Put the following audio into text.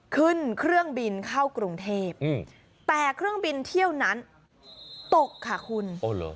ขึ้นเครื่องบินเข้ากรุงเทพแต่เครื่องบินเที่ยวนั้นตกค่ะคุณโอ้เหรอ